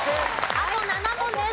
あと７問です。